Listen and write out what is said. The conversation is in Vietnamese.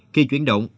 khi chuyển động